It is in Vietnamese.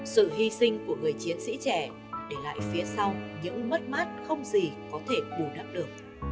sự hy sinh của người chiến sĩ trẻ để lại phía sau những mất mát không gì có thể bù đắp được